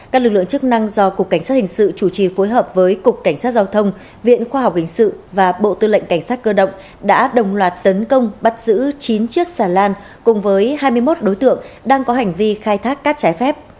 các lực lượng chức năng do cục cảnh sát hình sự chủ trì phối hợp với cục cảnh sát giao thông viện khoa học hình sự và bộ tư lệnh cảnh sát cơ động đã đồng loạt tấn công bắt giữ chín chiếc xà lan cùng với hai mươi một đối tượng đang có hành vi khai thác cát trái phép